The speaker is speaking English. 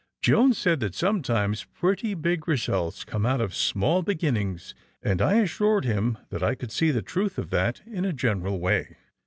Jones said that sometimes pretty big results came out of small beginnings, and I assured him that I could see the truth of that in a general way.